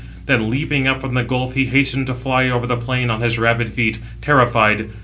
Then leaping up from the gulf, he hastened to fly over the plain on his rapid feet, terrified.